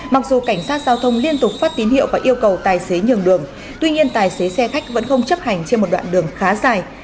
mặc dù cảnh sát giao thông liên tục phát tín hiệu và yêu cầu tài xế nhường đường tuy nhiên tài xế xe khách vẫn không chấp hành trên một đoạn đường khá dài